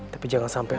tapi jangan sampai